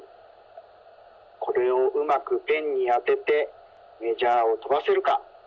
これをうまくペンにあててメジャーをとばせるか。